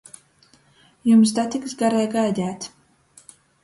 Jums datiks garai gaideit.